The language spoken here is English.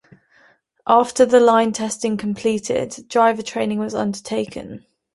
After the line testing completed, driver training was undertaken.